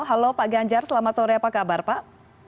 halo pak ganjar selamat sore apa kabar pak